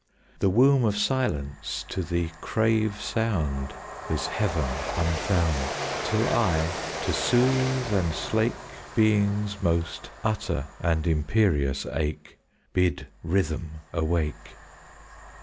"The womb of silence to the crave sound Is heaven unfound, Till I, to soothe and slake Being's most utter and imperious ache, Bid rhythm awake.